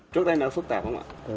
trước đây nó xuất tạp không ạ